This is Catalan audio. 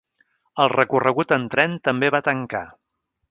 El recorregut en tren també va tancar.